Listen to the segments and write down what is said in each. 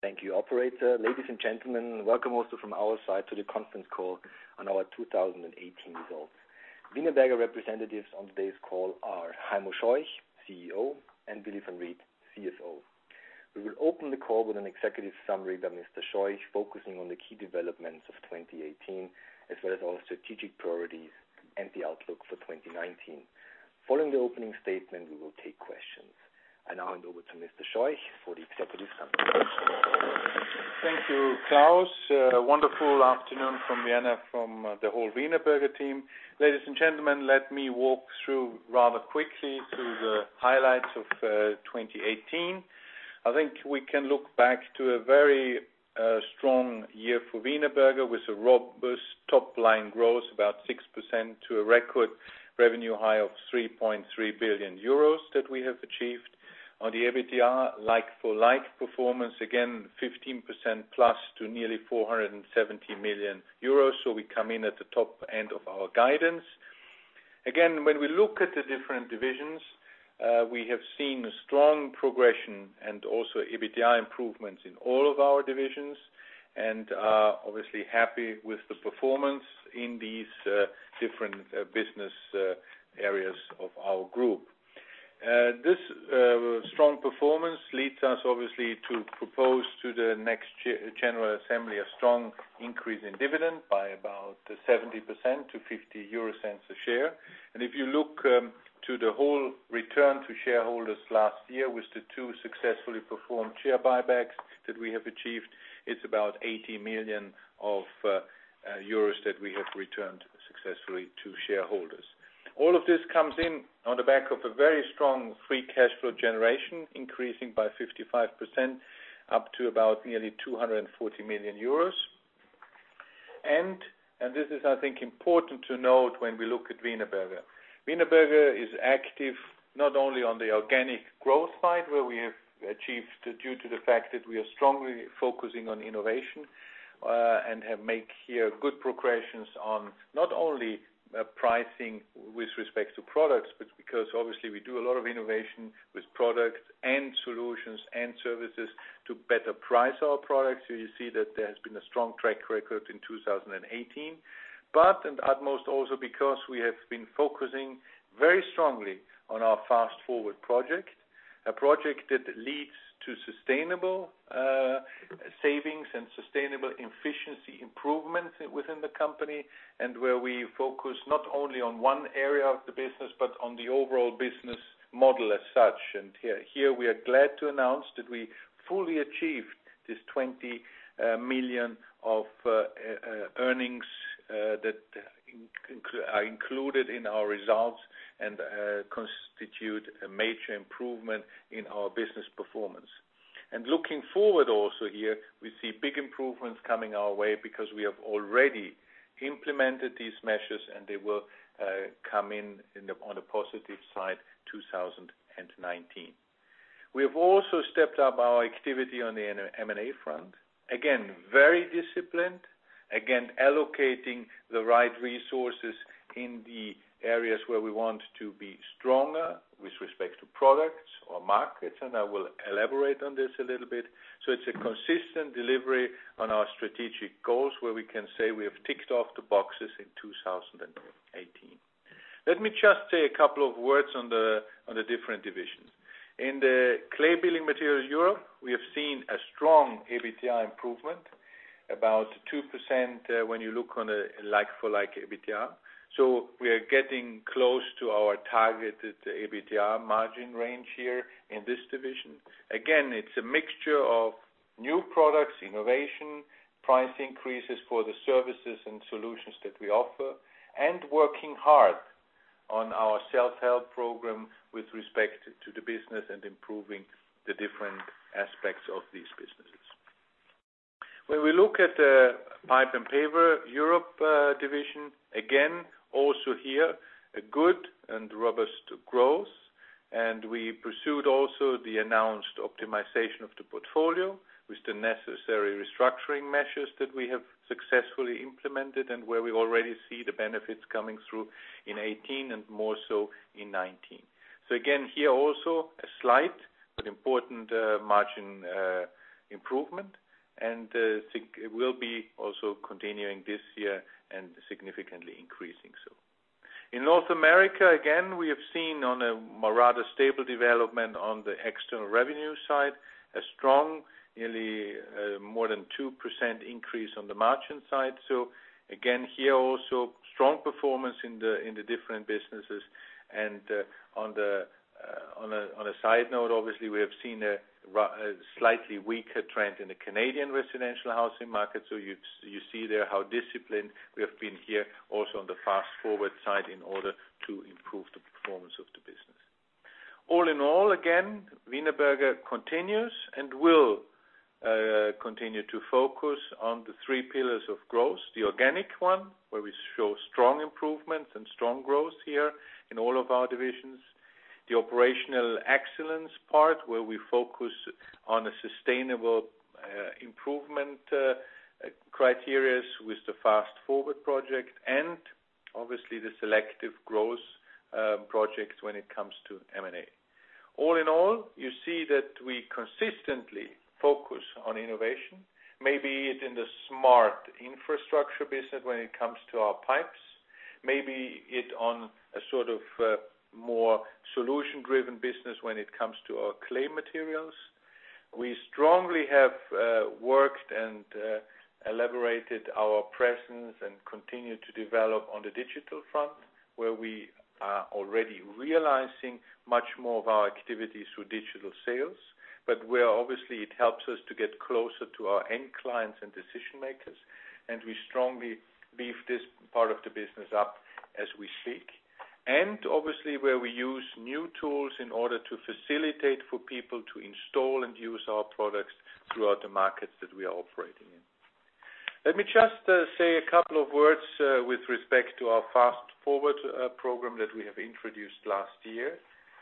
Thank you, operator. Ladies and gentlemen, welcome also from our side to the conference call on our 2018 results. Wienerberger representatives on today's call are Heimo Scheuch, CEO, and Willy Van Riet, CFO. We will open the call with an executive summary by Mr. Scheuch, focusing on the key developments of 2018, as well as our strategic priorities and the outlook for 2019. Following the opening statement, we will take questions. I now hand over to Mr. Scheuch for the executive summary. Thank you, Klaus. A wonderful afternoon from Vienna from the whole Wienerberger team. Ladies and gentlemen, let me walk rather quickly through the highlights of 2018. I think we can look back to a very strong year for Wienerberger, with a robust top-line growth about 6% to a record revenue high of €3.3 billion that we have achieved. On the EBITDA, like-for-like performance, again, 15%+ to nearly €470 million. We come in at the top end of our guidance. Again, when we look at the different divisions, we have seen strong progression and also EBITDA improvements in all of our divisions. Are obviously happy with the performance in these different business areas of our group. This strong performance leads us, obviously, to propose to the next general assembly a strong increase in dividend by about 70% to 0.50 a share. If you look to the whole return to shareholders last year, with the two successfully performed share buybacks that we have achieved, it's about 80 million euros that we have returned successfully to shareholders. All of this comes in on the back of a very strong free cash flow generation, increasing by 55% up to about nearly €240 million. This is, I think, important to note when we look at Wienerberger. Wienerberger is active not only on the organic growth side, where we have achieved due to the fact that we are strongly focusing on innovation, and have made here good progressions on not only pricing with respect to products, but because obviously we do a lot of innovation with products and solutions and services to better price our products. You see that there has been a strong track record in 2018. And utmost also because we have been focusing very strongly on our Fast Forward project, a project that leads to sustainable savings and sustainable efficiency improvements within the company, and where we focus not only on one area of the business, but on the overall business model as such. Here we are glad to announce that we fully achieved this 20 million of earnings, that are included in our results and constitute a major improvement in our business performance. Looking forward also here, we see big improvements coming our way because we have already implemented these measures, and they will come in on the positive side 2019. We have also stepped up our activity on the M&A front. Again, very disciplined. Allocating the right resources in the areas where we want to be stronger with respect to products or markets, and I will elaborate on this a little bit. It's a consistent delivery on our strategic goals, where we can say we have ticked off the boxes in 2018. Let me just say a couple of words on the different divisions. In the Clay Building Materials Europe, we have seen a strong EBITDA improvement, about 2% when you look on a like-for-like EBITDA. We are getting close to our targeted EBITDA margin range here in this division. It's a mixture of new products, innovation, price increases for the services and solutions that we offer, and working hard on our self-help program with respect to the business and improving the different aspects of these businesses. When we look at the Pipes & Pavers Europe division, also here, a good and robust growth. We pursued also the announced optimization of the portfolio with the necessary restructuring measures that we have successfully implemented and where we already see the benefits coming through in 2018 and more so in 2019. Here also a slight but important margin improvement, and I think it will be also continuing this year and significantly increasing so. In North America, we have seen on a rather stable development on the external revenue side, a strong, nearly more than 2% increase on the margin side. Here also strong performance in the different businesses. On a side note, obviously, we have seen a slightly weaker trend in the Canadian residential housing market. You see there how disciplined we have been here also on the Fast Forward side in order to improve the performance of the business. All in all, Wienerberger continues and will continue to focus on the three pillars of growth, the organic one, where we show strong improvement and strong growth here in all of our divisions. The operational excellence part, where we focus on a sustainable improvement criteria with the Fast Forward project. Obviously, the selective growth projects when it comes to M&A. All in all, you see that we consistently focus on innovation, maybe it in the smart infrastructure business when it comes to our pipes, maybe it on a sort of more solution-driven business when it comes to our clay materials. We strongly have worked and elaborated our presence and continue to develop on the digital front, where we are already realizing much more of our activities through digital sales, where obviously it helps us to get closer to our end clients and decision-makers, we strongly beef this part of the business up as we speak. Obviously, where we use new tools in order to facilitate for people to install and use our products throughout the markets that we are operating in. Let me just say a couple of words with respect to our Fast Forward program that we have introduced last year,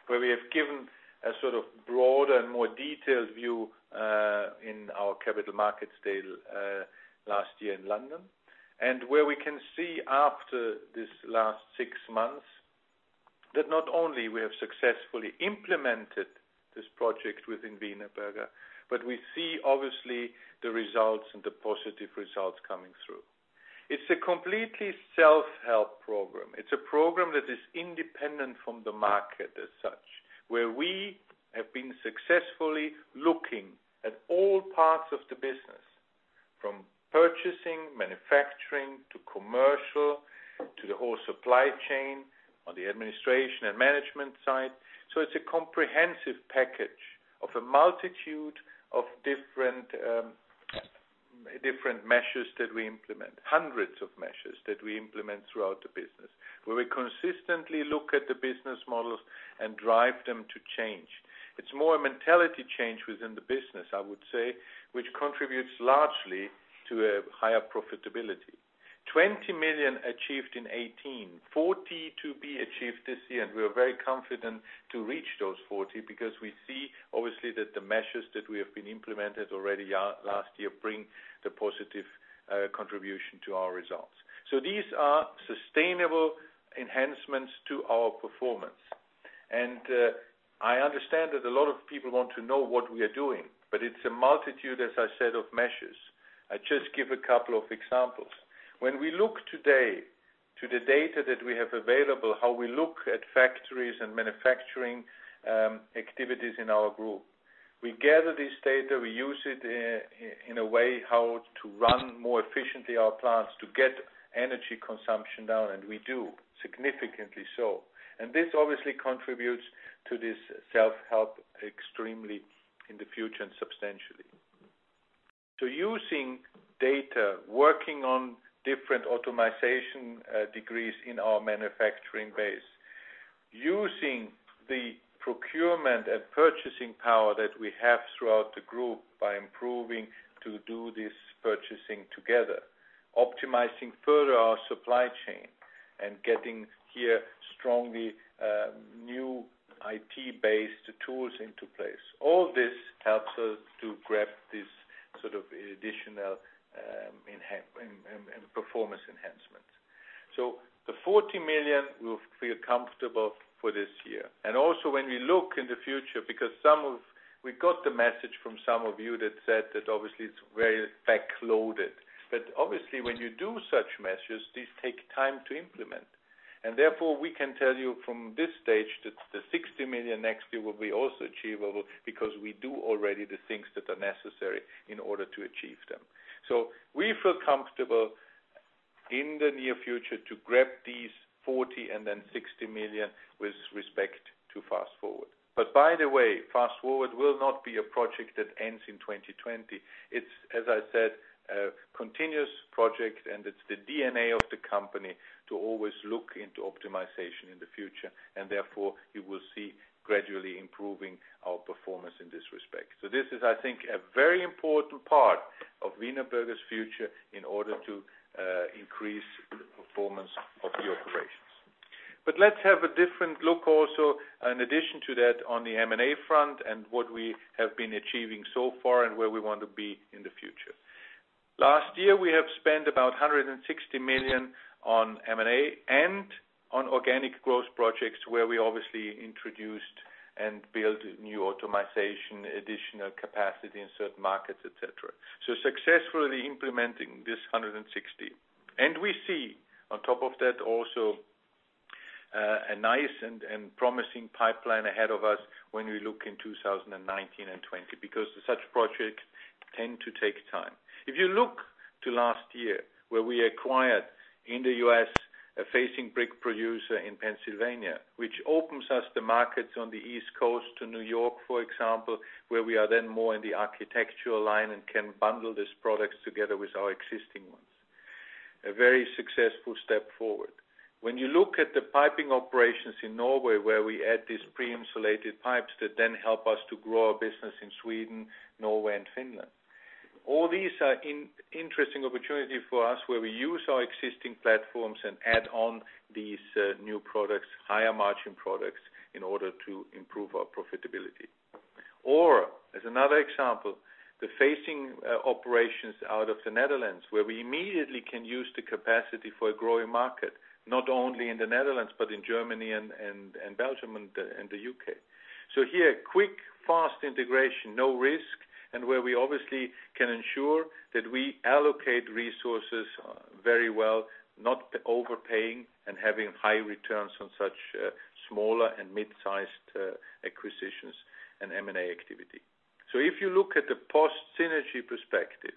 where we have given a sort of broad and more detailed view in our Capital Markets Day last year in London. Where we can see after these last six months that not only we have successfully implemented this project within Wienerberger, but we see obviously the results and the positive results coming through. It's a completely self-help program. It's a program that is independent from the market as such, where we have been successfully looking at all parts of the business, from purchasing, manufacturing, to commercial, to the whole supply chain on the administration and management side. It's a comprehensive package of a multitude of different measures that we implement, hundreds of measures that we implement throughout the business. We consistently look at the business models and drive them to change. It's more a mentality change within the business, I would say, which contributes largely to a higher profitability. 20 million achieved in 2018, 40 million to be achieved this year, we are very confident to reach those 40 because we see obviously that the measures that we have been implemented already last year bring the positive contribution to our results. These are sustainable enhancements to our performance. I understand that a lot of people want to know what we are doing, but it's a multitude, as I said, of measures. I just give a couple of examples. We look today to the data that we have available, how we look at factories and manufacturing activities in our group. We gather this data, we use it in a way how to run more efficiently our plants to get energy consumption down, and we do, significantly so. This obviously contributes to this self-help extremely in the future and substantially. Using data, working on different automization degrees in our manufacturing base. Using the procurement and purchasing power that we have throughout the group by improving to do this purchasing together, optimizing further our supply chain and getting here strongly new IT-based tools into place. All this helps us to grab this sort of additional performance enhancements. The 40 million we feel comfortable for this year. Also when we look in the future, because we got the message from some of you that said that obviously it's very back-loaded. Obviously, when you do such measures, these take time to implement. Therefore, we can tell you from this stage that the 60 million next year will be also achievable because we do already the things that are necessary in order to achieve them. We feel comfortable in the near future to grab these 40 million and then 60 million with respect to Fast Forward. By the way, Fast Forward will not be a project that ends in 2020. It's, as I said, a continuous project, and it's the DNA of the company to always look into optimization in the future, and therefore you will see gradually improving our performance in this respect. This is, I think, a very important part of Wienerberger's future in order to increase performance of the operations. Let's have a different look also in addition to that on the M&A front and what we have been achieving so far and where we want to be in the future. Last year, we have spent about 160 million on M&A and on organic growth projects where we obviously introduced and built new automization, additional capacity in certain markets, et cetera. Successfully implementing this 160 million. We see on top of that also a nice and promising pipeline ahead of us when we look in 2019 and 2020, because such projects tend to take time. If you look to last year, where we acquired in the U.S. a facing brick producer in Pennsylvania, which opens us the markets on the East Coast to New York, for example, where we are then more in the architectural line and can bundle these products together with our existing ones. A very successful step forward. When you look at the piping operations in Norway, where we add these pre-insulated pipes that then help us to grow our business in Sweden, Norway, and Finland. All these are interesting opportunities for us where we use our existing platforms and add on these new products, higher margin products, in order to improve our profitability. Or as another example, the facing operations out of the Netherlands, where we immediately can use the capacity for a growing market, not only in the Netherlands, but in Germany and Belgium and the U.K. Here, quick, fast integration, no risk, and where we obviously can ensure that we allocate resources very well, not overpaying and having high returns on such smaller and mid-sized acquisitions and M&A activity. If you look at the post synergy perspective,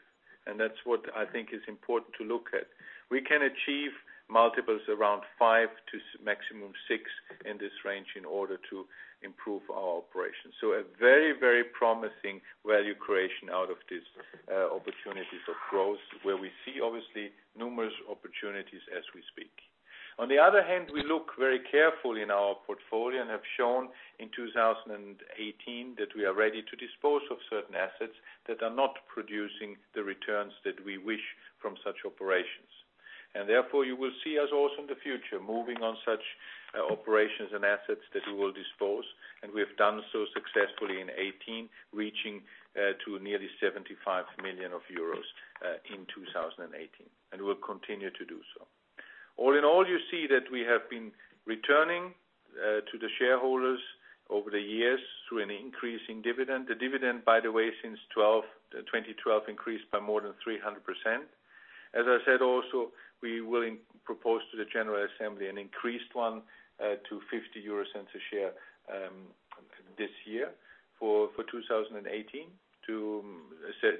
and that's what I think is important to look at, we can achieve multiples around 5 to maximum 6 in this range in order to improve our operations. A very promising value creation out of these opportunities of growth, where we see obviously numerous opportunities as we speak. On the other hand, we look very carefully in our portfolio and have shown in 2018 that we are ready to dispose of certain assets that are not producing the returns that we wish from such operations. Therefore, you will see us also in the future moving on such operations and assets that we will dispose, and we have done so successfully in 2018, reaching to nearly 75 million euros in 2018. We'll continue to do so. All in all, you see that we have been returning to the shareholders over the years through an increase in dividend. The dividend, by the way, since 2012 increased by more than 300%. As I said, also, we will propose to the general assembly an increased one to 0.50 a share this year for 2018.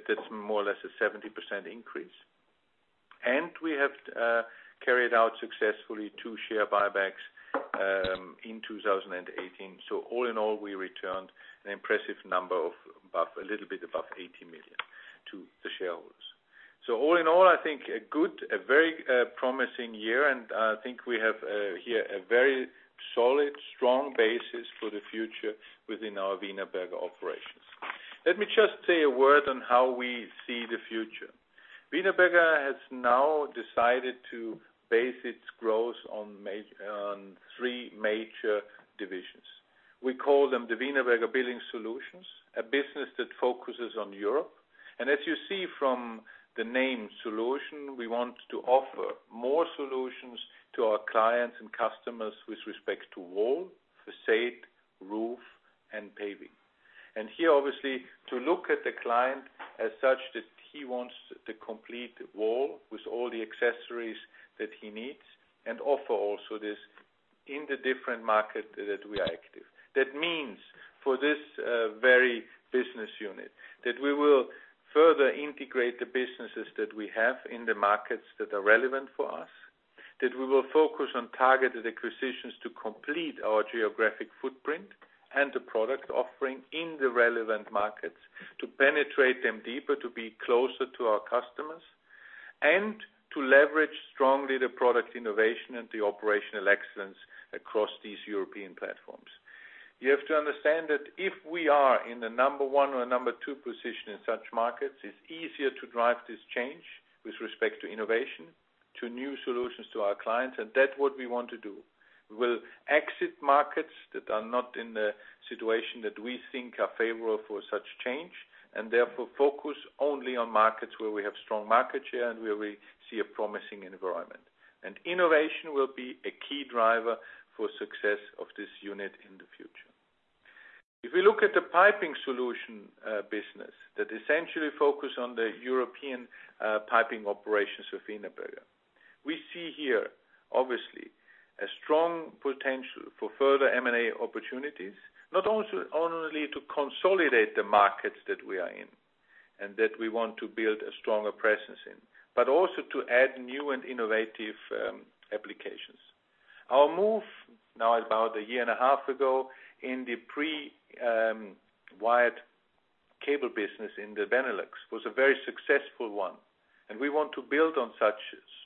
That's more or less a 70% increase. We have carried out successfully two share buybacks in 2018. All in all, we returned an impressive number of a little bit above 80 million to the shareholders. All in all, I think a good, a very promising year, and I think we have here a very solid, strong basis for the future within our Wienerberger operations. Let me just say a word on how we see the future. Wienerberger has now decided to base its growth on three major divisions. We call them the Wienerberger Building Solutions, a business that focuses on Europe. As you see from the name solution, we want to offer more solutions to our clients and customers with respect to wall, facade, roof, and paving. Here, obviously, to look at the client as such that he wants the complete wall with all the accessories that he needs and offer also this in the different market that we are active. That means for this very business unit, that we will further integrate the businesses that we have in the markets that are relevant for us, that we will focus on targeted acquisitions to complete our geographic footprint and the product offering in the relevant markets to penetrate them deeper, to be closer to our customers, and to leverage strongly the product innovation and the operational excellence across these European platforms. You have to understand that if we are in the number 1 or number 2 position in such markets, it's easier to drive this change with respect to innovation, to new solutions to our clients, and that's what we want to do. We will exit markets that are not in the situation that we think are favorable for such change, and therefore focus only on markets where we have strong market share and where we see a promising environment. Innovation will be a key driver for success of this unit in the future. If we look at the piping solution business that essentially focus on the European piping operations of Wienerberger. We see here, obviously, a strong potential for further M&A opportunities, not only to consolidate the markets that we are in and that we want to build a stronger presence in, but also to add new and innovative applications. Our move now about a year and a half ago in the pre-wired cable business in the Benelux was a very successful one, and we want to build on such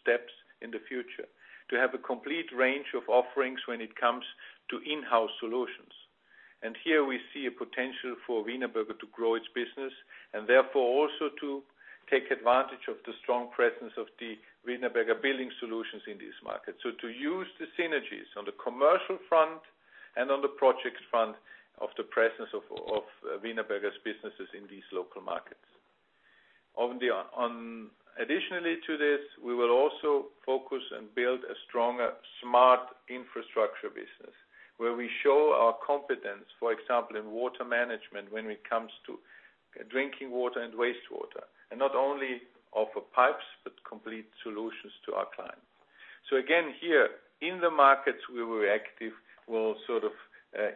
steps in the future to have a complete range of offerings when it comes to in-house solutions. Here we see a potential for Wienerberger to grow its business and therefore also to take advantage of the strong presence of the Wienerberger Building Solutions in this market. To use the synergies on the commercial front and on the projects front of the presence of Wienerberger's businesses in these local markets. Additionally to this, we will also focus and build a stronger smart infrastructure business where we show our competence, for example, in water management when it comes to drinking water and wastewater, and not only offer pipes, but complete solutions to our clients. Again, here in the markets where we're active, we'll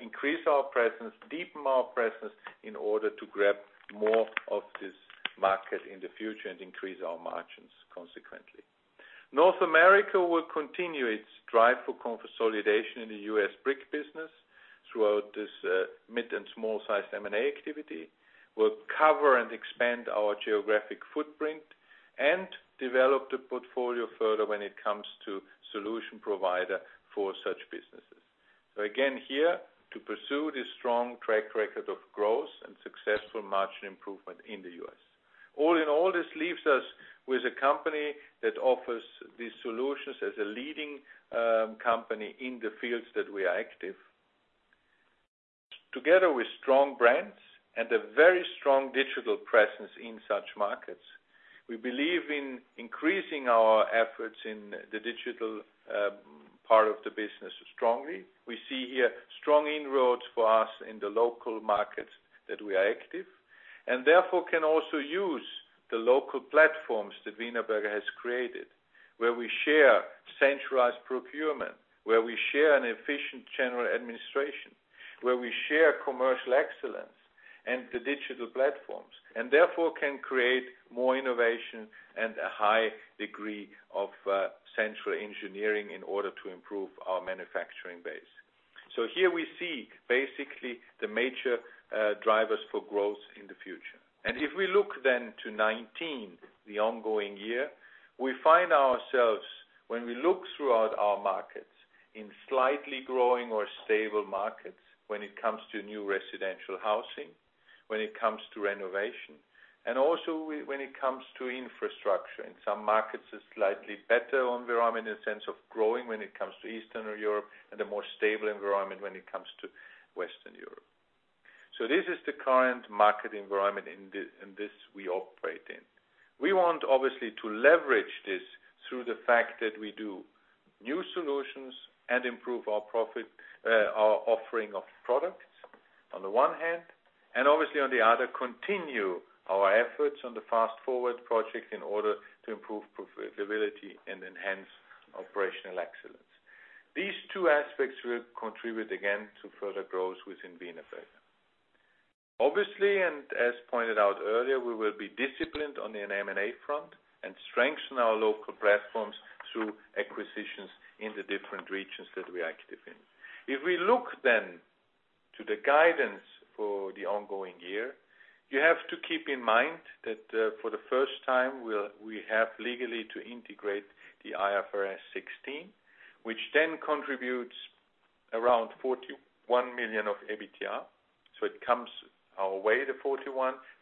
increase our presence, deepen our presence in order to grab more of this market in the future and increase our margins consequently. North America will continue its drive for consolidation in the U.S. brick business throughout this mid and small-sized M&A activity. We'll cover and expand our geographic footprint and develop the portfolio further when it comes to solution provider for such businesses. Again here, to pursue this strong track record of growth and successful margin improvement in the U.S. All in all, this leaves us with a company that offers these solutions as a leading company in the fields that we are active. Together with strong brands and a very strong digital presence in such markets, we believe in increasing our efforts in the digital part of the business strongly. We see here strong inroads for us in the local markets that we are active. Therefore can also use the local platforms that Wienerberger has created, where we share centralized procurement, where we share an efficient general administration, where we share commercial excellence and the digital platforms. Therefore can create more innovation and a high degree of central engineering in order to improve our manufacturing base. Here we see basically the major drivers for growth in the future. If we look then to 2019, the ongoing year, we find ourselves, when we look throughout our markets, in slightly growing or stable markets when it comes to new residential housing, when it comes to renovation, and also when it comes to infrastructure. In some markets, a slightly better environment in the sense of growing when it comes to Eastern Europe, and a more stable environment when it comes to Western Europe. This is the current market environment, and this we operate in. We want obviously to leverage this through the fact that we do new solutions and improve our offering of products on the one hand, and obviously on the other, continue our efforts on the Fast Forward project in order to improve profitability and enhance operational excellence. These two aspects will contribute again to further growth within Wienerberger. Obviously, as pointed out earlier, we will be disciplined on the M&A front and strengthen our local platforms through acquisitions in the different regions that we are active in. If we look then to the guidance for the ongoing year, you have to keep in mind that for the first time, we have legally to integrate the IFRS 16, which then contributes around 41 million of EBITDA. It comes our way, the 41,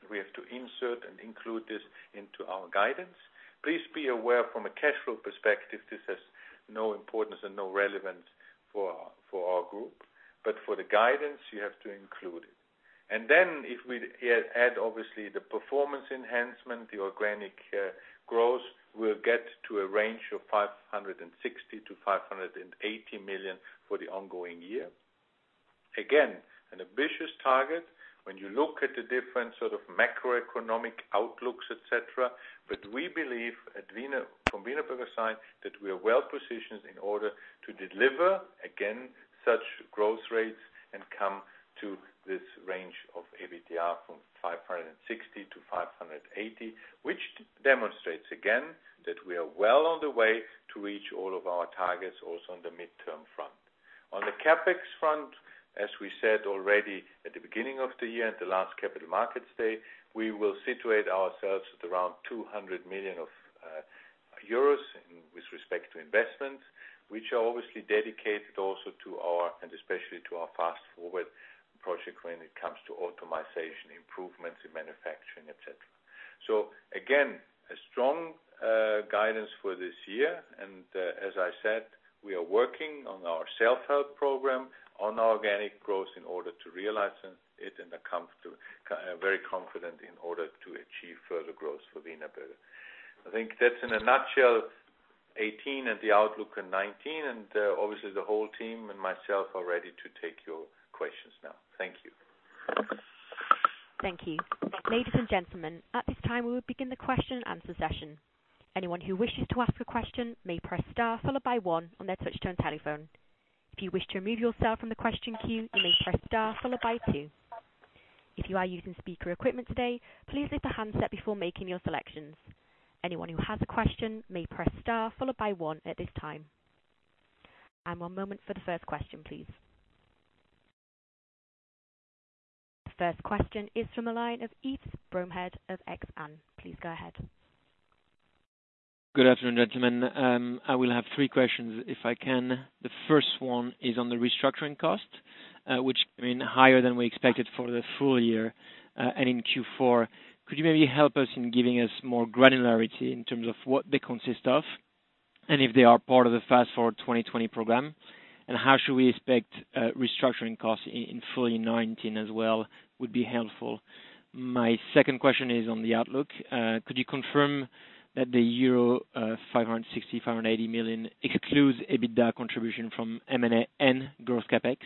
we have to insert and include this into our guidance. Please be aware from a cash flow perspective, this has no importance and no relevance for our group. For the guidance, you have to include it. Then if we add obviously the performance enhancement, the organic growth, we'll get to a range of 560 million to 580 million for the ongoing year. Again, an ambitious target when you look at the different macroeconomic outlooks, et cetera. We believe from Wienerberger side, that we are well positioned in order to deliver again such growth rates and come to this range of EBITDA from 560 million to 580 million, which demonstrates again that we are well on the way to reach all of our targets also on the midterm front. On the CapEx front, as we said already at the beginning of the year at the last Capital Markets Day, we will situate ourselves at around 200 million euros with respect to investments, which are obviously dedicated also and especially to our Fast Forward project when it comes to automation improvements in manufacturing, et cetera. Again, a strong guidance for this year. As I said, we are working on our self-help program on organic growth in order to realize it and are very confident in order to achieve further growth for Wienerberger. I think that's in a nutshell 2018 and the outlook in 2019. Obviously, the whole team and myself are ready to take your questions now. Thank you. Thank you. Ladies and gentlemen, at this time we will begin the question and answer session. Anyone who wishes to ask a question may press star followed by one on their touch-tone telephone. If you wish to remove yourself from the question queue, you may press star followed by two. If you are using speaker equipment today, please lift the handset before making your selections. Anyone who has a question may press star followed by one at this time. One moment for the first question, please. The first question is from the line of Yves Bromehead of Exane. Please go ahead. Good afternoon, gentlemen. I will have three questions if I can. The first one is on the restructuring cost, which came in higher than we expected for the full year and in Q4. Could you maybe help us in giving us more granularity in terms of what they consist of, and if they are part of the Fast Forward 2020 program? How should we expect restructuring costs in full 2019 as well, would be helpful. My second question is on the outlook. Could you confirm that the 560 million-580 million euro excludes EBITDA contribution from M&A and growth CapEx?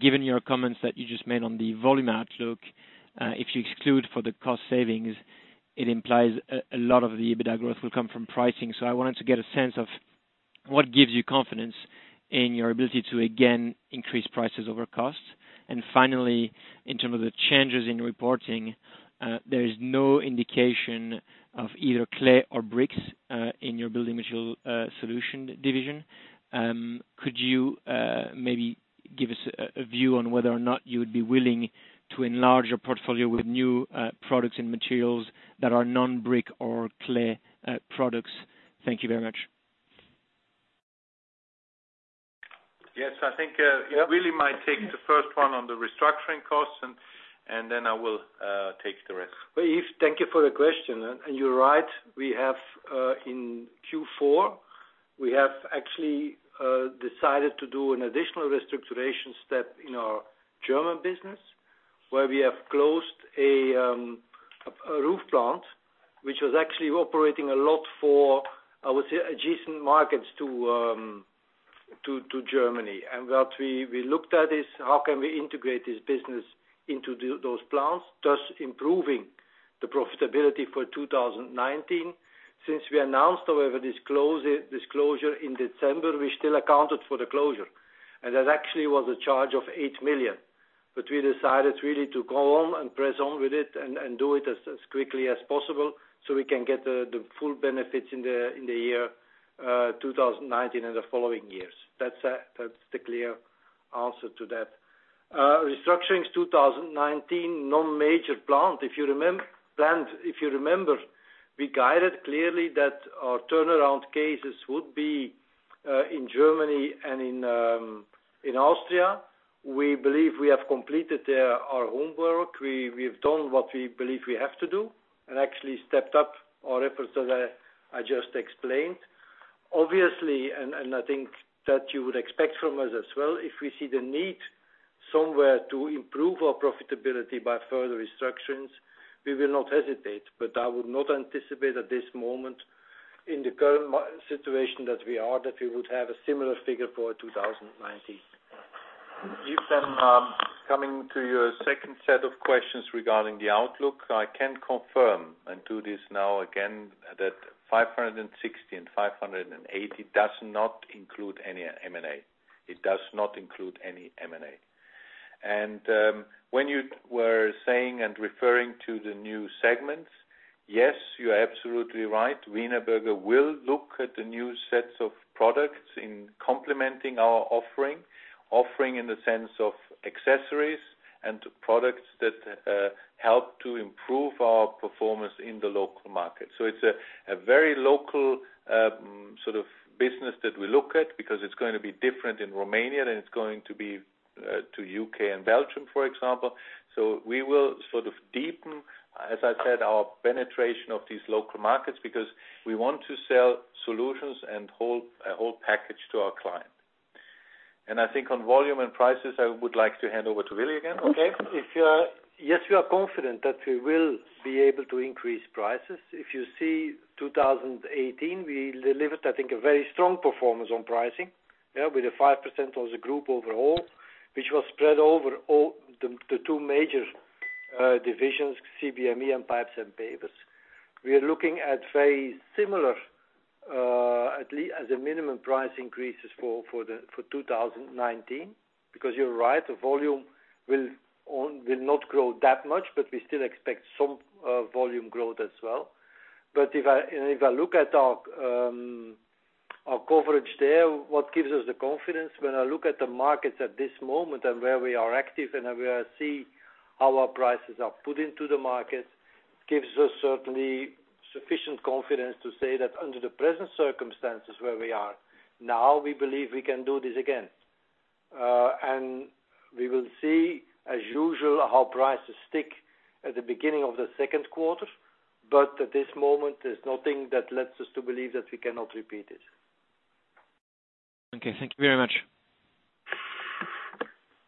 Given your comments that you just made on the volume outlook, if you exclude for the cost savings, it implies a lot of the EBITDA growth will come from pricing. I wanted to get a sense of what gives you confidence in your ability to again increase prices over costs. Finally, in terms of the changes in reporting, there is no indication of either clay or bricks in your Wienerberger Building Solutions division. Could you maybe give us a view on whether or not you would be willing to enlarge your portfolio with new products and materials that are non-brick or clay products? Thank you very much. I think Willy might take the first one on the restructuring costs, then I will take the rest. Well, Yves, thank you for the question. You're right, in Q4, we have actually decided to do an additional restructuration step in our German business, where we have closed a roof plant, which was actually operating a lot for, I would say, adjacent markets to Germany. What we looked at is how can we integrate this business into those plants, thus improving the profitability for 2019. Since we announced, however, this closure in December, we still accounted for the closure, and that actually was a charge of 8 million. We decided really to go on and press on with it and do it as quickly as possible so we can get the full benefits in the year 2019 and the following years. That's the clear answer to that. Restructurings 2019, no major plant. If you remember, we guided clearly that our turnaround cases would be in Germany and in Austria. We believe we have completed there our homework. We've done what we believe we have to do and actually stepped up our efforts as I just explained. Obviously, and I think that you would expect from us as well, if we see the need somewhere to improve our profitability by further restructurings, we will not hesitate. I would not anticipate at this moment in the current situation that we are, that we would have a similar figure for 2019. Yves, coming to your second set of questions regarding the outlook, I can confirm and do this now again, that 560 and 580 does not include any M&A. It does not include any M&A. When you were saying and referring to the new segments, yes, you are absolutely right. Wienerberger will look at the new sets of products in complementing our offering in the sense of accessories and products that help to improve our performance in the local market. It's a very local sort of business that we look at because it's going to be different in Romania than it's going to be to U.K. and Belgium, for example. We will sort of deepen, as I said, our penetration of these local markets because we want to sell solutions and a whole package to our client. I think on volume and prices, I would like to hand over to Willy again. Okay. Yes, we are confident that we will be able to increase prices. If you see 2018, we delivered, I think, a very strong performance on pricing. With a 5% of the group overall, which was spread over the two major divisions, CBME and Pipes & Pavers. We are looking at very similar, at least as a minimum price increases for 2019, because you're right, the volume will not grow that much, but we still expect some volume growth as well. If I look at our coverage there, what gives us the confidence when I look at the markets at this moment and where we are active and where I see how our prices are put into the market, gives us certainly sufficient confidence to say that under the present circumstances where we are now, we believe we can do this again. We will see as usual how prices stick at the beginning of the second quarter, at this moment, there's nothing that lets us to believe that we cannot repeat it. Okay, thank you very much.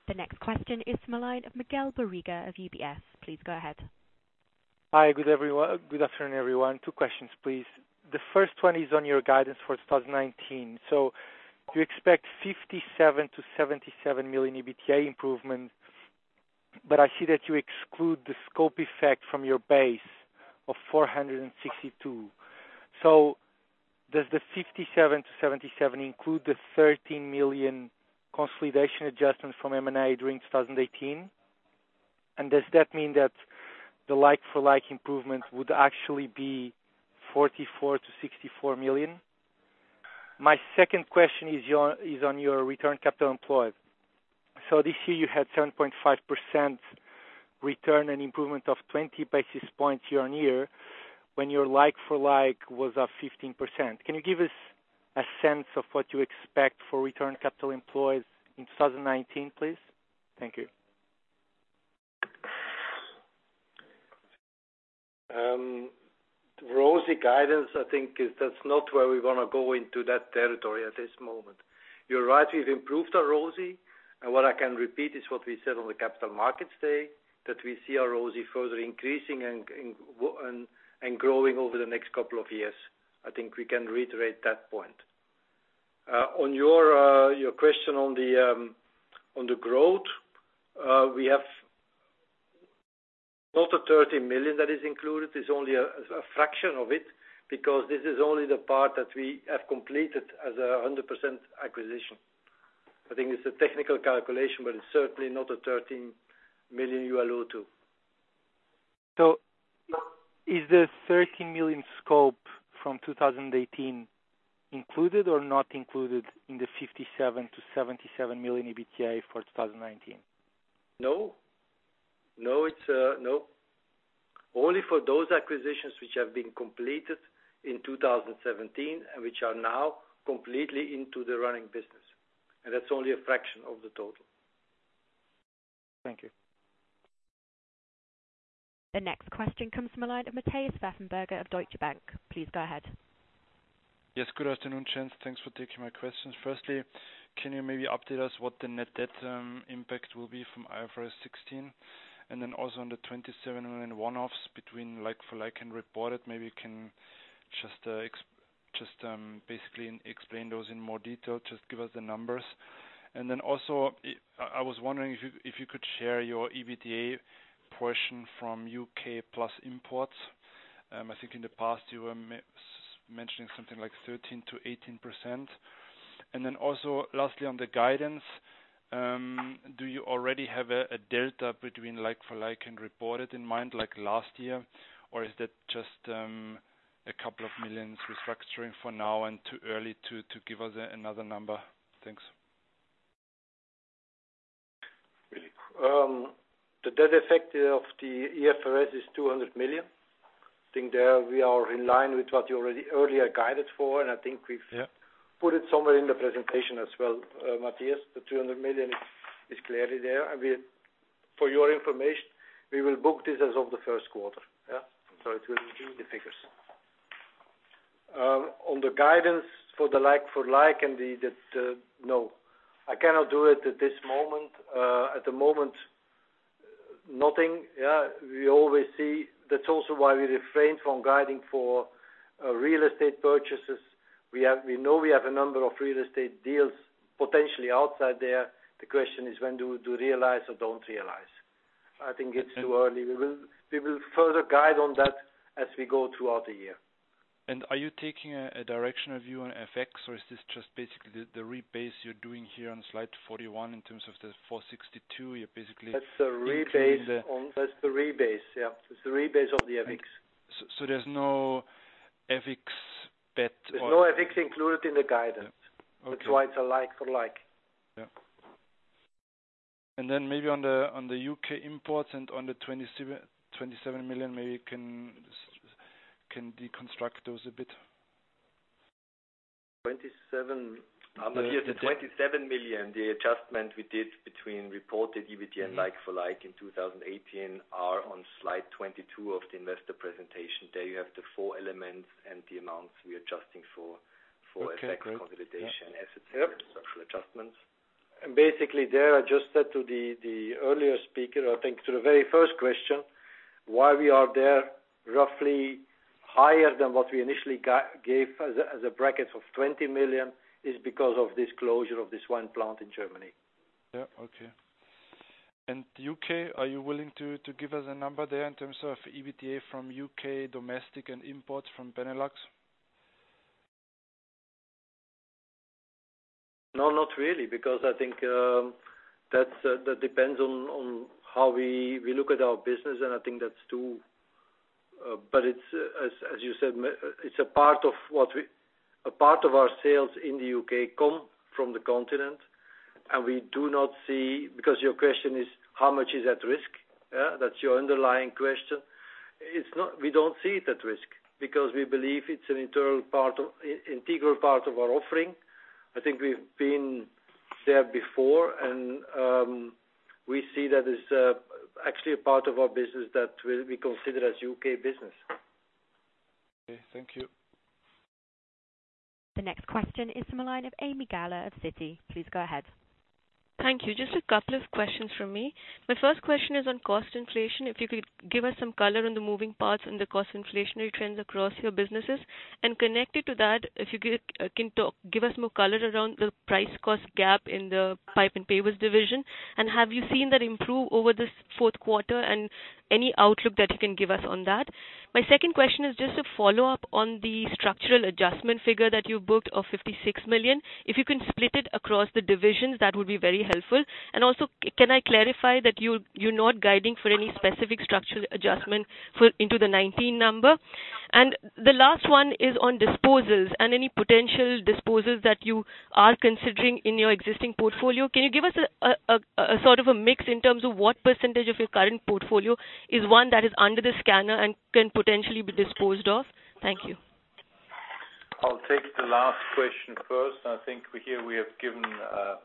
The next question is the line of Miguel Borrega of UBS. Please go ahead. Hi, good afternoon, everyone. Two questions, please. The first one is on your guidance for 2019. You expect 57 million-77 million EBITDA improvement, I see that you exclude the scope effect from your base of 462. Does the 57 million-77 million include the 13 million consolidation adjustment from M&A during 2018? Does that mean that the like-for-like improvements would actually be 44 million-64 million? My second question is on your return capital employed. This year you had 7.5% return and improvement of 20 basis points year-on-year when your like-for-like was up 15%. Can you give us a sense of what you expect for return capital employed in 2019, please? Thank you. ROCE guidance, I think that's not where we want to go into that territory at this moment. You're right, we've improved our ROCE, and what I can repeat is what we said on the Capital Markets Day, that we see our ROCE further increasing and growing over the next couple of years. I think we can reiterate that point. On your question on the growth, we have not the 13 million that is included, it's only a fraction of it because this is only the part that we have completed as 100% acquisition. I think it's a technical calculation, but it's certainly not a 13 million you allude to. Is the 13 million scope from 2018 included or not included in the 57 million-77 million EBITDA for 2019? No. No. Only for those acquisitions which have been completed in 2017 and which are now completely into the running business. That's only a fraction of the total. Thank you. The next question comes from the line of Matthias Pfeifenberger of Deutsche Bank. Please go ahead. Yes, good afternoon, gents. Thanks for taking my questions. Firstly, can you maybe update us what the net debt impact will be from IFRS 16, then also on the 27 million one-offs between like-for-like and reported, maybe you can just basically explain those in more detail. Just give us the numbers. Then also, I was wondering if you could share your EBITDA portion from U.K. plus imports. I think in the past you were mentioning something like 13%-18%. Then also lastly, on the guidance, do you already have a delta between like-for-like and reported in mind like last year, or is that just a couple of million restructuring for now and too early to give us another number? Thanks. The debt effect of the IFRS is 200 million. I think there we are in line with what you already earlier guided for, I think we've- Yeah Put it somewhere in the presentation as well, Matthias. The 200 million is clearly there. For your information, we will book this as of the first quarter. It will include the figures. On the guidance for the like-for-like and the-- No. I cannot do it at this moment. At the moment, nothing. We always see. That's also why we refrained from guiding for real estate purchases. We know we have a number of real estate deals potentially outside there. The question is when do we realize or don't realize? I think it's too early. We will further guide on that as we go throughout the year. Are you taking a directional view on FX or is this just basically the rebase you're doing here on slide 41 in terms of the 462? You're basically including the That's the rebase, yeah. That's the rebase of the FX. There's no FX bet or There's no FX included in the guidance. Yeah. Okay. That's why it's a like-for-like. Yeah. Maybe on the U.K. imports and on the 27 million, maybe you can deconstruct those a bit. Matthias, the 27 million, the adjustment we did between reported EBITDA and like-for-like in 2018 are on slide 22 of the investor presentation. There you have the four elements and the amounts we're adjusting for FX consolidation assets here, structural adjustments. Basically there, I just said to the earlier speaker, I think to the very first question, why we are there roughly higher than what we initially gave as a bracket of 20 million is because of this closure of this one plant in Germany. Yeah. Okay. U.K., are you willing to give us a number there in terms of EBITDA from U.K. domestic and imports from Benelux? No, not really, because I think that depends on how we look at our business. As you said, a part of our sales in the U.K. come from the continent. We do not see, because your question is how much is at risk. That's your underlying question. We don't see it at risk because we believe it's an integral part of our offering. I think we've been there before, and we see that as actually a part of our business that we consider as U.K. business. Okay. Thank you. The next question is from the line of Ami of Citi. Please go ahead. Thank you. Just a couple of questions from me. My first question is on cost inflation. If you could give us some color on the moving parts and the cost inflationary trends across your businesses. Connected to that, if you can give us more color around the price cost gap in the Pipes & Pavers division, and have you seen that improve over this fourth quarter and any outlook that you can give us on that? My second question is just a follow-up on the structural adjustment figure that you booked of 56 million. If you can split it across the divisions, that would be very helpful. Also, can I clarify that you're not guiding for any specific structural adjustment into the 2019 number? The last one is on disposals and any potential disposals that you are considering in your existing portfolio. Can you give us a sort of a mix in terms of what % of your current portfolio is one that is under the scanner and can potentially be disposed of? Thank you. I'll take the last question first. I think here we have given a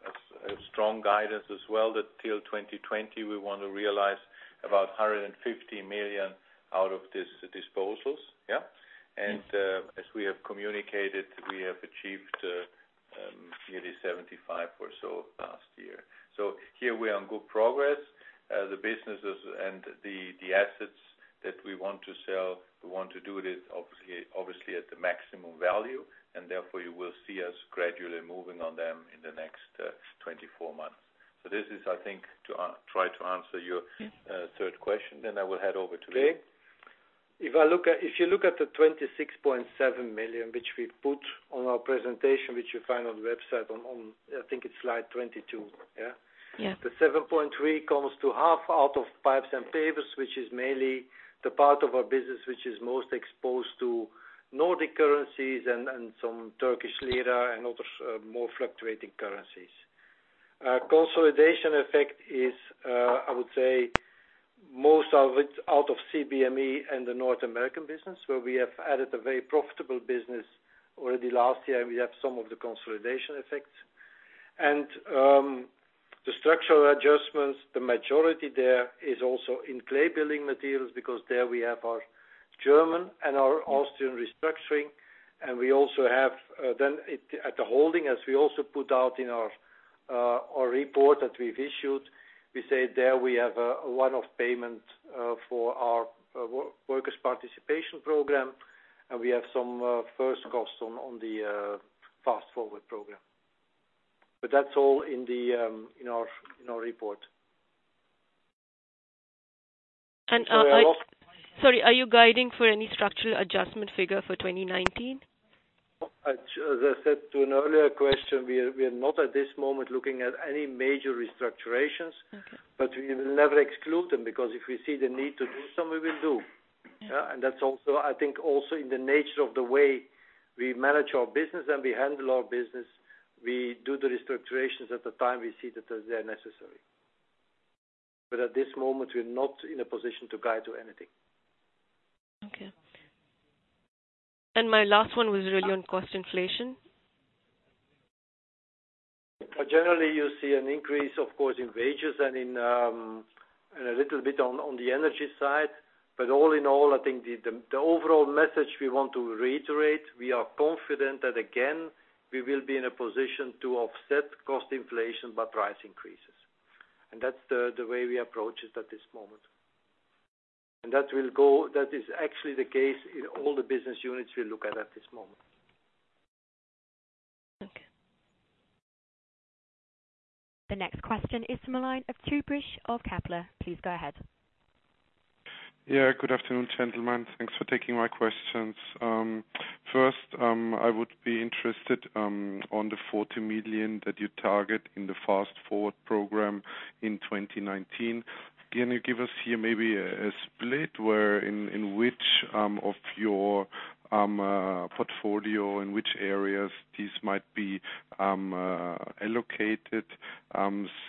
strong guidance as well that till 2020, we want to realize about 150 million out of these disposals. Yeah. As we have communicated, we have achieved nearly 75 or so last year. Here we are on good progress. The businesses and the assets that we want to sell, we want to do it obviously at the maximum value, and therefore, you will see us gradually moving on them in the next 24 months. This is, I think, to try to answer your third question. I will hand over to Piet. If you look at the 26.7 million, which we put on our presentation, which you find on the website on I think it's slide 22. Yeah? Yeah. The 7.3 comes to half out of Pipes & Pavers, which is mainly the part of our business which is most exposed to Nordic currencies and some Turkish lira and other more fluctuating currencies. Consolidation effect is, I would say, most of it out of CBME and the North American business, where we have added a very profitable business already last year, and we have some of the consolidation effects. The structural adjustments, the majority there is also in clay building materials, because there we have our German and our Austrian restructuring. We also have then at the holding, as we also put out in our report that we've issued, we say there we have a one-off payment for our workers participation program, and we have some first costs on the Fast Foward program. That's all in our report. Sorry, are you guiding for any structural adjustment figure for 2019? As I said to an earlier question, we are not at this moment looking at any major restructurations. Okay. We will never exclude them, because if we see the need to do some, we will do. Okay. That's also, I think, also in the nature of the way we manage our business and we handle our business. We do the restructurations at the time we see that they're necessary. At this moment, we're not in a position to guide to anything. Okay. My last one was really on cost inflation. Generally, you see an increase, of course, in wages and a little bit on the energy side. All in all, I think the overall message we want to reiterate, we are confident that again, we will be in a position to offset cost inflation by price increases. That's the way we approach it at this moment. That is actually the case in all the business units we look at this moment. Okay. The next question is from the line of Trubrich of Kepler. Please go ahead. Yeah, good afternoon, gentlemen. Thanks for taking my questions. First, I would be interested on the 40 million that you target in the Fast Forward program in 2019. Can you give us here maybe a split where in which of your portfolio, in which areas these might be allocated?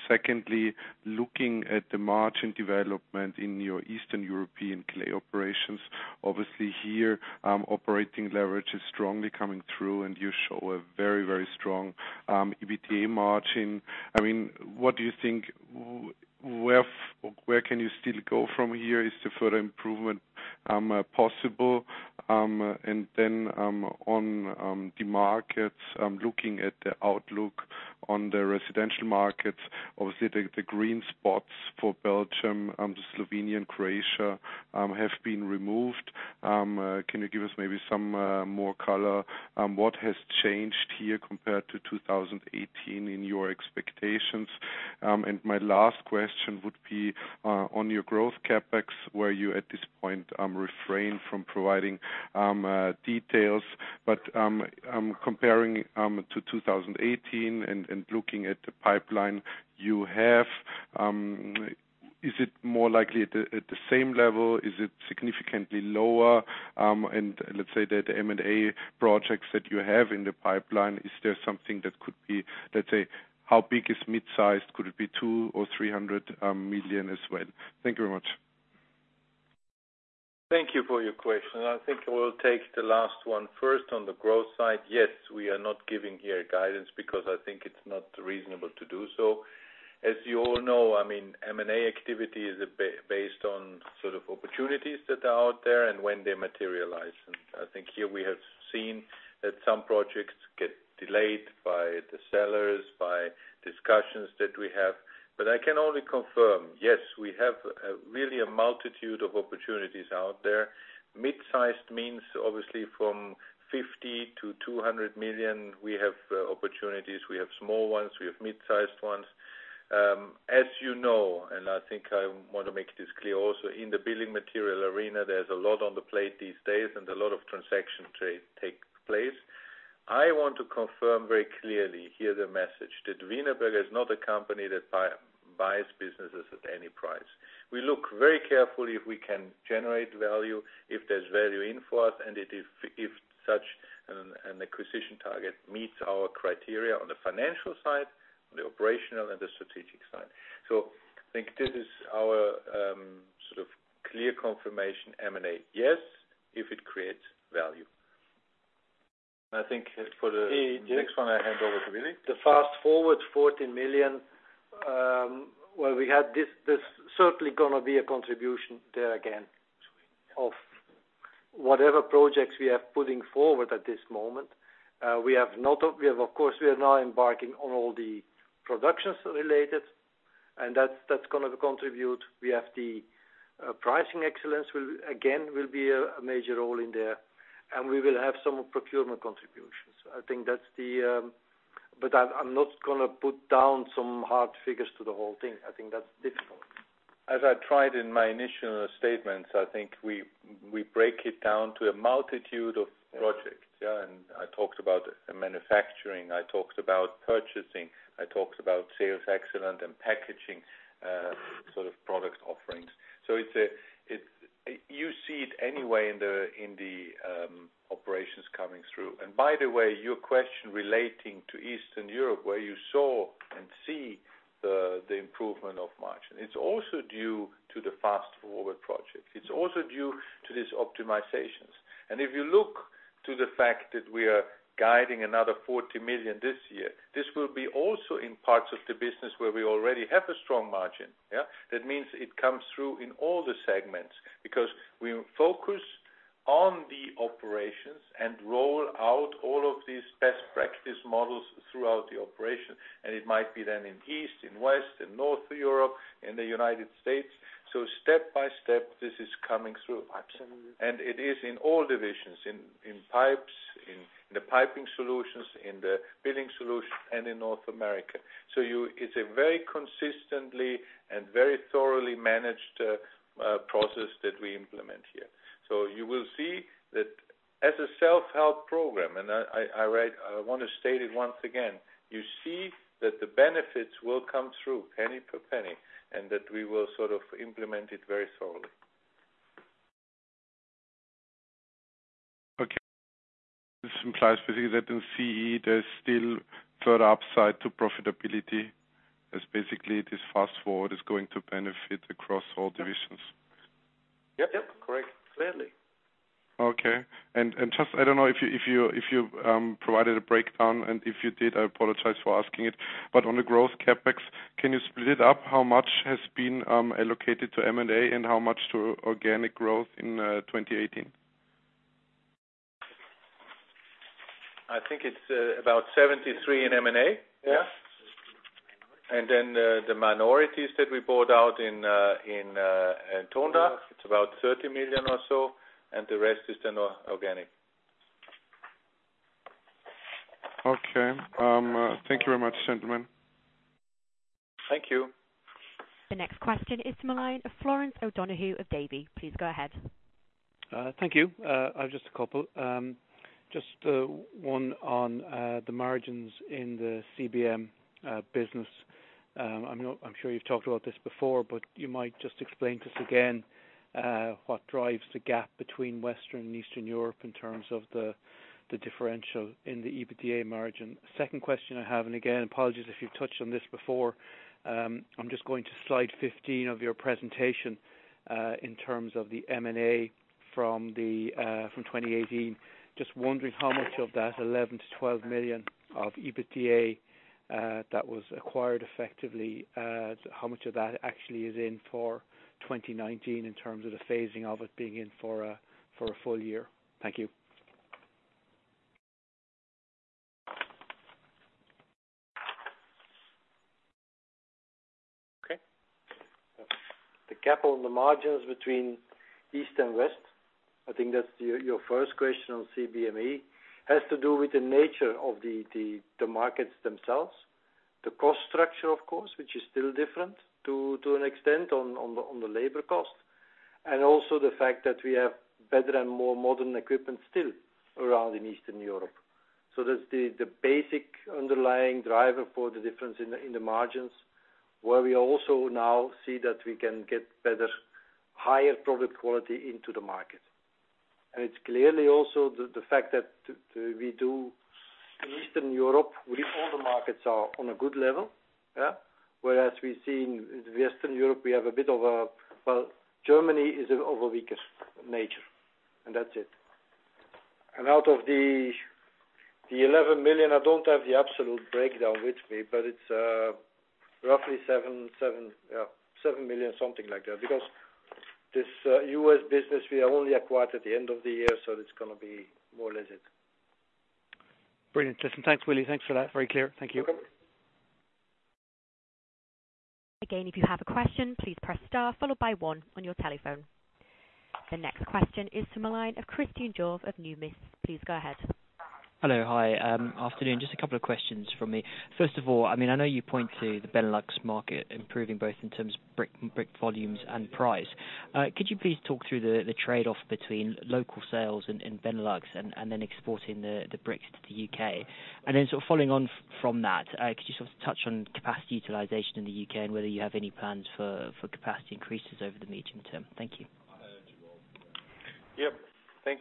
Secondly, looking at the margin development in your Eastern European clay operations, obviously here operating leverage is strongly coming through, and you show a very strong EBITDA margin. What do you think, where can you still go from here? Is the further improvement possible? On the markets, looking at the outlook on the residential markets, obviously the green spots for Belgium, Slovenia, and Croatia have been removed. Can you give us maybe some more color on what has changed here compared to 2018 in your expectations? My last question would be on your growth CapEx, where you at this point refrain from providing details. Comparing to 2018 and looking at the pipeline you have, is it more likely at the same level? Is it significantly lower? Let's say that M&A projects that you have in the pipeline, is there something that could be, let's say, how big is mid-sized? Could it be two or 300 million as well? Thank you very much. Thank you for your question. I think I will take the last one first on the growth side. Yes, we are not giving here guidance because I think it's not reasonable to do so. As you all know, M&A activity is based on sort of opportunities that are out there and when they materialize. I think here we have seen that some projects get delayed by the sellers, by discussions that we have. I can only confirm, yes, we have really a multitude of opportunities out there. Mid-sized means obviously from 50 million-200 million. We have opportunities, we have small ones, we have mid-sized ones. As you know, I think I want to make this clear also, in the building material arena, there's a lot on the plate these days and a lot of transaction take place. I want to confirm very clearly here the message that Wienerberger is not a company that buys businesses at any price. We look very carefully if we can generate value, if there's value in for us, and if such an acquisition target meets our criteria on the financial side, on the operational and the strategic side. I think this is our sort of clear confirmation, M&A, yes, if it creates value. I think for the next one, I hand over to Willy. The Fast Forward 14 million, where we had this, there's certainly going to be a contribution there again of whatever projects we are putting forward at this moment. Of course, we are now embarking on all the productions related, and that's going to contribute. We have the pricing excellence, again, will be a major role in there. We will have some procurement contributions. I'm not going to put down some hard figures to the whole thing. I think that's difficult. As I tried in my initial statements, I think we break it down to a multitude of projects. I talked about manufacturing, I talked about purchasing, I talked about sales excellence and packaging sort of product offerings. You see it anyway in the operations coming through. By the way, your question relating to Eastern Europe, where you saw and see the improvement of margin. It's also due to the Fast Forward project. It's also due to these optimizations. If you look to the fact that we are guiding another 40 million this year, this will be also in parts of the business where we already have a strong margin. That means it comes through in all the segments, because we focus on the operations and roll out all of these best practice models throughout the operation. It might be then in East, in West, in North Europe, in the United States. Step by step, this is coming through. Absolutely. It is in all divisions, in Pipes, in the piping solutions, in the Building Solutions, and in North America. It's a very consistently and very thoroughly managed process that we implement here. You will see that as a self-help program, and I want to state it once again, you see that the benefits will come through penny for penny, and that we will sort of implement it very thoroughly. Okay. This implies basically that in CE, there's still further upside to profitability, as basically this Fast Forward is going to benefit across all divisions. Yep. Correct. Clearly. Okay. Just, I don't know if you provided a breakdown, and if you did, I apologize for asking it, on the growth CapEx, can you split it up how much has been allocated to M&A and how much to organic growth in 2018? I think it's about 73 in M&A. Yeah. The minorities that we bought out in Tondach, it's about 30 million or so, the rest is then organic. Okay. Thank you very much, gentlemen. Thank you. The next question is to the line of Flor O'Donoghue of Davy. Please go ahead. Thank you. I've just a couple. Just one on the margins in the CBM business. I'm sure you've talked about this before, but you might just explain to us again what drives the gap between Western and Eastern Europe in terms of the differential in the EBITDA margin. Second question I have, and again, apologies if you've touched on this before. I'm just going to slide 15 of your presentation, in terms of the M&A from 2018. Just wondering how much of that 11 million-12 million of EBITDA that was acquired effectively, how much of that actually is in for 2019 in terms of the phasing of it being in for a full year? Thank you. The gap on the margins between East and West, I think that's your first question on CBME, has to do with the nature of the markets themselves. The cost structure, of course, which is still different to an extent on the labor cost, also the fact that we have better and more modern equipment still around in Eastern Europe. That's the basic underlying driver for the difference in the margins, where we also now see that we can get better, higher product quality into the market. It's clearly also the fact that we do Eastern Europe, all the markets are on a good level. Whereas we see in Western Europe, we have a-- Well, Germany is of a weaker nature, that's it. Out of the 11 million, I don't have the absolute breakdown with me, but it's roughly 7 million, something like that, because this U.S. business we have only acquired at the end of the year, it's going to be more or less it. Brilliant. Listen. Thanks, Willy. Thanks for that. Very clear. Thank you. Okay. Again, if you have a question, please press star, followed by one on your telephone. The next question is to the line of Christene Gusch of Numis. Please go ahead. Hello. Hi. Afternoon. Just a couple of questions from me. First of all, I know you point to the Benelux market improving both in terms of brick volumes and price. Could you please talk through the trade-off between local sales in Benelux and then exporting the bricks to the U.K.? Following on from that, could you sort of touch on capacity utilization in the U.K. and whether you have any plans for capacity increases over the medium term? Thank you. Yep. Thank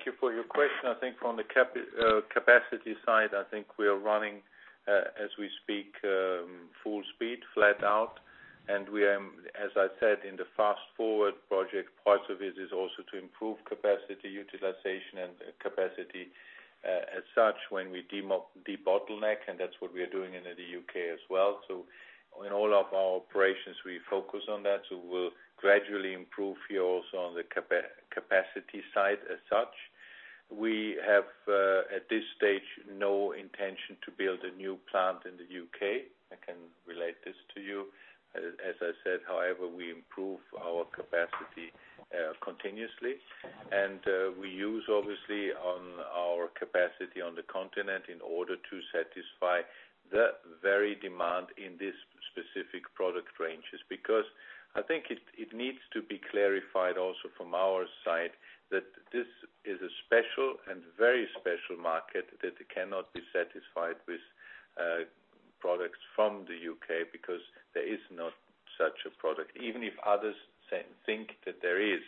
you for your question. From the capacity side, we are running, as we speak, full speed, flat out, as I said, in the Fast Forward project, parts of it is also to improve capacity utilization and capacity as such when we debottleneck, and that's what we are doing in the U.K. as well. In all of our operations, we focus on that. We'll gradually improve here also on the capacity side as such. We have, at this stage, no intention to build a new plant in the U.K. I can relate this to you. As I said, however, we improve our capacity continuously, and we use obviously our capacity on the continent in order to satisfy the very demand in these specific product ranges. It needs to be clarified also from our side that this is a special and very special market that cannot be satisfied with products from the U.K. because there is not such a product, even if others think that there is.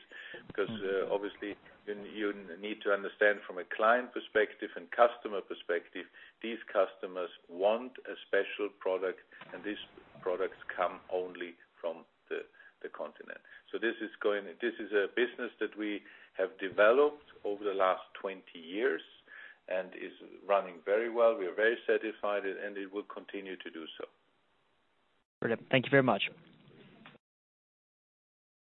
Obviously, you need to understand from a client perspective and customer perspective, these customers want a special product, and these products come only from the continent. This is a business that we have developed over the last 20 years and is running very well. We are very satisfied, and it will continue to do so. Brilliant. Thank you very much.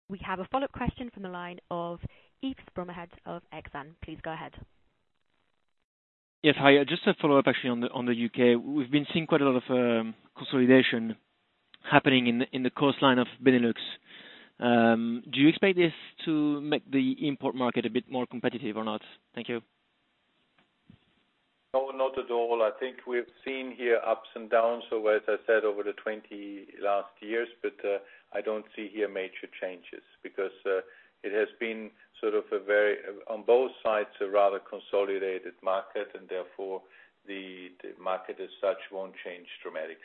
We have a follow-up question from the line of Yves Bromehead of Exane. Please go ahead. Yes. Hi. Just a follow-up, actually, on the U.K. We've been seeing quite a lot of consolidation happening in the coastline of Benelux. Do you expect this to make the import market a bit more competitive or not? Thank you. No, not at all. I think we've seen here ups and downs, as I said, over the 20 last years. I don't see here major changes because it has been sort of a very, on both sides, a rather consolidated market. Therefore, the market as such won't change dramatically.